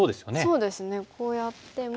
そうですねこうやっても。